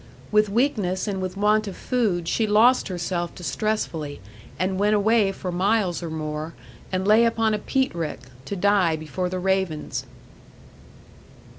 With weakness and with want of food, she lost herself distressfully, and went away for miles or more, and lay upon a peat rick, to die before the ravens.